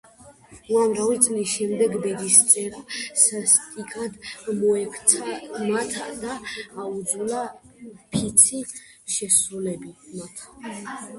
უამრავი წლის შემდეგ ბედისწერა სასტიკად მოექცა მათ და აიძულა, ფიცი შეესრულებინათ.